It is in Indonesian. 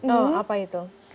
oh apa itu